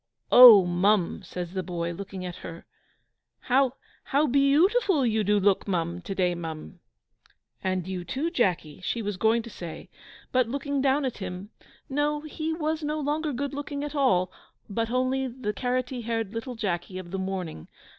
"Oh, mum!" says the boy, looking at her, "how how beyoutiful you do look, mum, to day, mum!" "And you, too, Jacky," she was going to say; but, looking down at him no, he was no longer good looking at all but only the carrotty haired little Jacky of the morning.